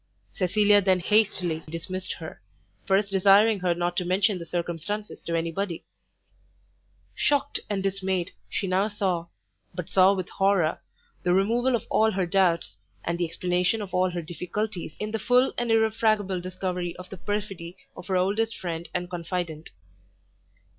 Cecilia then hastily dismissed her, first desiring her not to mention the circumstance to any body. Shocked and dismayed, she now saw, but saw with horror, the removal of all her doubts, and the explanation of all her difficulties, in the full and irrefragable discovery of the perfidy of her oldest friend and confident.